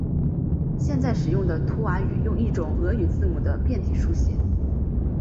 现在使用的图瓦语用一种俄语字母的变体书写。